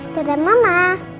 udah dan mama